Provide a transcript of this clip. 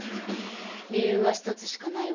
理由は一つしかないわ。